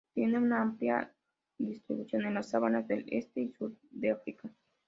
Tiene una amplia distribución en las sabanas del este y sur de África.